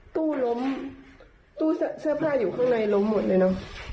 ตู้ล้มตู้เสื้อผ้าอยู่ข้างในล้มหมดเลยเนอะ